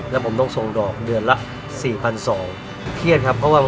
แล้วผมต้องส่งดอกเดือนละสี่พันสอง